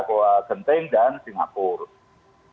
kota genting dan singapura